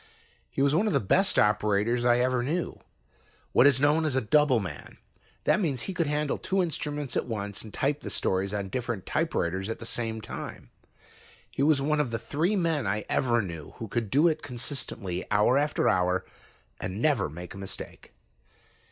He was one of the best operators I ever knew, what is known as a "double" man. That means he could handle two instruments at once and type the stories on different typewriters at the same time. He was one of the three men I ever knew who could do it consistently, hour after hour, and never make a mistake.